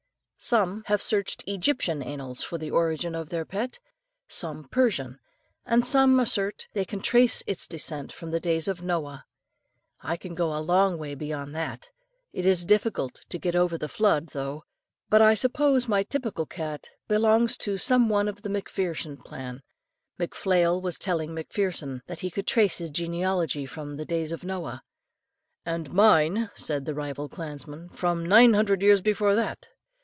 Some have searched Egyptian annals for the origin of their pet, some Persian, and some assert they can trace its descent from the days of Noah. I can go a long way beyond that. It is difficult to get over the flood, though; but I suppose my typical cat belonged to some one of the McPherson clan. McPhlail was telling McPherson, that he could trace his genealogy from the days of Noah. "And mine," said the rival clansman, "from nine hundred years before that."